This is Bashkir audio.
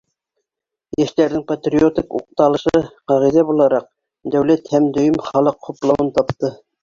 Йәштәрҙең патриотик уҡталышы, ҡағиҙә булараҡ, дәүләт һәм дөйөм халыҡ хуплауын тапты.